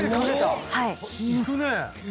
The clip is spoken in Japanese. いくね！